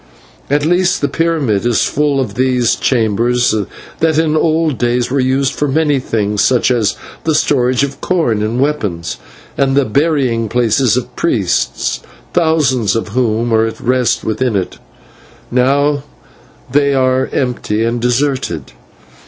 At least the pyramid is full of these chambers, that in old days were used for many things, such as the storage of corn and weapons, and the burying places of priests, thousands of whom are at rest within it. Now they are empty and deserted."